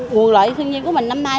quần loại thương nhiên của mình năm nay